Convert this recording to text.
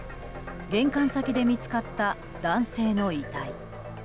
玄関先で見つかった男性の遺体。